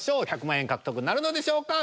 １００万円獲得なるのでしょうか？